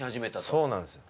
そうなんですよ。